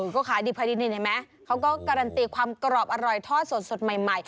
ก็ขายดิบขายดีนี่เห็นไหมเขาก็การันตีความกรอบอร่อยทอดสดใหม่